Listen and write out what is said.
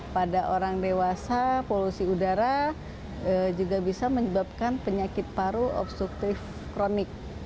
pada orang dewasa polusi udara juga bisa menyebabkan penyakit paru obstruktif kronik